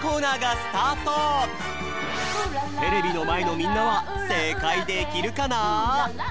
ノリノリのテレビのまえのみんなはせいかいできるかな？